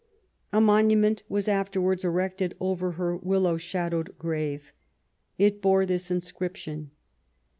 A monument was afterwards erected over her willow shadowed grave. It bore this inscrip* tion :— 1C1.